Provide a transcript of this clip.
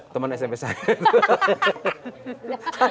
teman smp saya itu